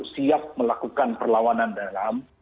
siap melakukan perlawanan dalam